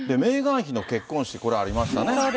メーガン妃の結婚式、これありましたね。